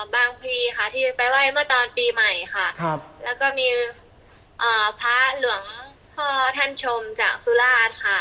พลีค่ะที่ไปไหว้เมื่อตอนปีใหม่ค่ะแล้วก็มีพระหลวงพ่อท่านชมจากสุราชค่ะ